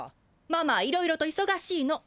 ママはいろいろといそがしいの。